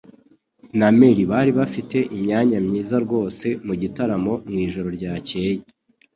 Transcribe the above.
na Mary bari bafite imyanya myiza rwose mugitaramo mwijoro ryakeye.